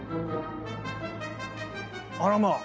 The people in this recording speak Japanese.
あらまあ。